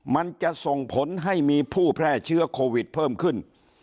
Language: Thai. มันจะส่งผลให้มีผู้แพร่เชื้อโควิดเพิ่มขึ้น